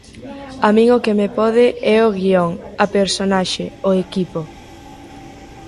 A min o que me pode é o guión, a personaxe, o equipo.